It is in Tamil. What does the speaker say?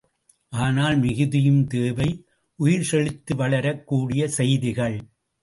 ஆனால், மிகுதியும் தேவை உயிர் செழித்து வளரக் கூடிய செய்திகள்!